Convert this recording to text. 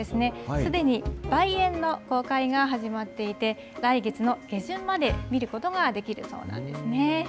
すでに梅苑の公開が始まっていて、来月の下旬まで見ることができるそうなんですね。